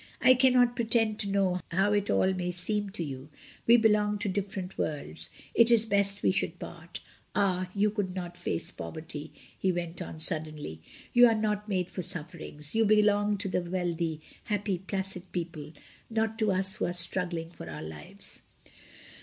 "I cannot pretend to know how it all may seem to you; we belong to different worlds. It is best we should part Ah! you could not face poverty," he went on suddenly. "You are not made for sufferings; you belong to the wealthy, happy, placid people, not to us who are struggling for our lives."